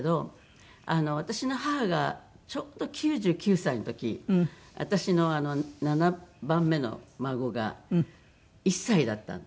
私の母がちょうど９９歳の時私の７番目の孫が１歳だったんです。